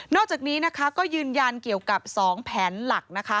นอกจากนี้ก็ยืนยันเกี่ยวกับ๒แผนหลัก